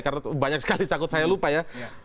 karena banyak sekali takut saya lupa ya